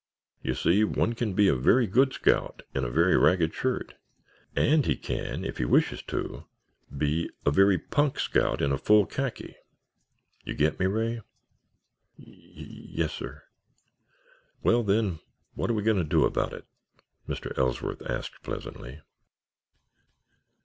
"You see, one can be a very good scout in a very ragged shirt, and he can, if he wishes to, be a very punk scout in full khaki. You get me, Ray?" "Ye yes, sir." "Well, then, what are we going to do about it?" Mr. Ellsworth asked pleasantly.